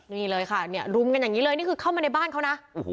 นี่เลยค่ะเนี่ยรุมกันอย่างนี้เลยนี่คือเข้ามาในบ้านเขานะ